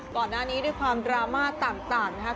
ก่อนหน้านี้ด้วยความดราม่าต่างนะครับ